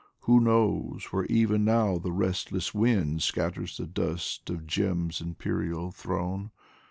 Who knows where even now the restless wind Scatters the dust of Djem's imperial throne